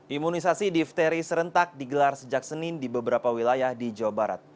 imunisasi difteri serentak digelar sejak senin di beberapa wilayah di jawa barat